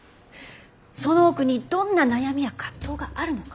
その奥にどんな悩みや葛藤があるのか。